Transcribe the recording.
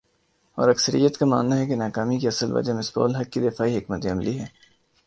اور اکثریت کا ماننا ہے کہ ناکامی کی اصل وجہ مصباح الحق کی دفاعی حکمت عملی ہے ۔